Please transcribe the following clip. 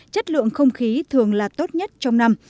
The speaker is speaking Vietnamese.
chất lượng không khí thường là tốt nhất trong năm